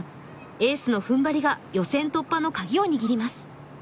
エースの踏ん張りが予選突破の鍵を握ります。